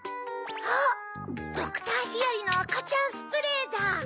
あっドクター・ヒヤリのあかちゃんスプレーだ！